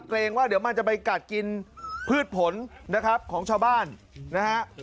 เกรงว่าเดี๋ยวมันจะไปกัดกินพืชผลนะครับของชาวบ้านนะฮะ